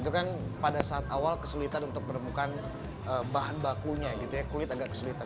itu kan pada saat awal kesulitan untuk menemukan bahan bakunya gitu ya kulit agak kesulitan